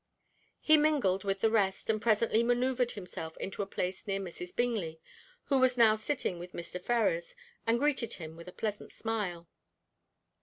He mingled with the rest, and presently manoeuvred himself into a place near Mrs. Bingley, who was now sitting with Mr. Ferrars, and greeted him with a pleasant smile.